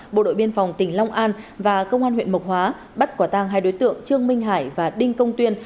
bộ đội biên phòng tỉnh long an và công an huyện mộc hóa bắt quả tang hai đối tượng trương minh hải và đinh công tuyên